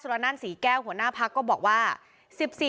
คุณวราวุฒิศิลปะอาชาหัวหน้าภักดิ์ชาติไทยพัฒนา